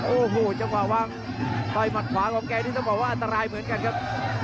โอ้โหจังหวะวางต่อยหมัดขวาของแกนี่ต้องบอกว่าอันตรายเหมือนกันครับ